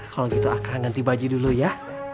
kalau gitu akan ganti baju dulu ya